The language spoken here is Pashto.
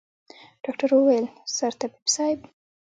ډاکتر وويل سرطبيب صايب.